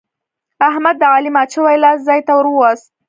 احمد د علي مات شوی لاس ځای ته ور ووست.